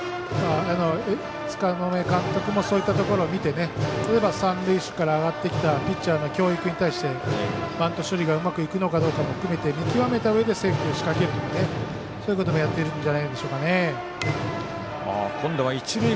柄目監督もそういったところを見て三塁手から上がってきたピッチャーの京井君に対してバント処理がうまくいくのかを含めて、見極めたうえでセーフティーを仕掛けるということもやっているんじゃないでしょうか。